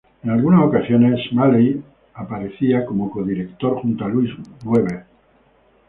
En algunas ocasiones Smalley aparecía como co-director junto a Lois Weber.